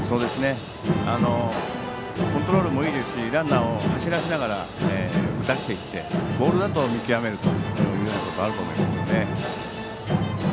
コントロールもいいですしランナーを走らせながら打たせていってボールだと見極めるということがあると思いますね。